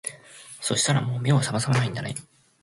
そしたらもう目を覚まさないんだね